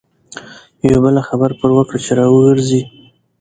یوه بله خبره پر وکړه چې را وګرځي.